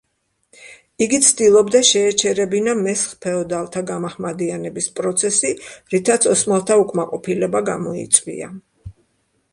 იგი ცდილობდა შეეჩერებინა მესხ ფეოდალთა გამაჰმადიანების პროცესი, რითაც ოსმალთა უკმაყოფილება გამოიწვია.